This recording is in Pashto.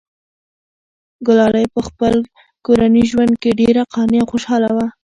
ګلالۍ په خپل کورني ژوند کې ډېره قانع او خوشحاله وه.